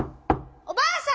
おばあさん